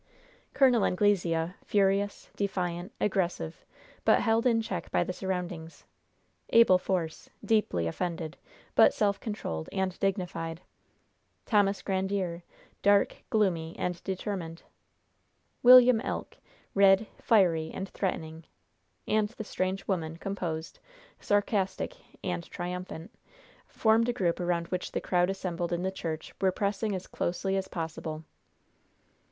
Col. Anglesea, furious, defiant, aggressive, but held in check by the surroundings; Abel Force, deeply offended, but self controlled and dignified; Thomas Grandiere, dark, gloomy and determined; William Elk, red, fiery and threatening; and the strange woman composed, sarcastic and triumphant formed a group around which the crowd assembled in the church were pressing as closely as possible.